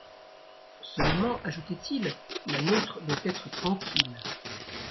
Seulement, ajoutait-il, la nôtre doit être tranquille.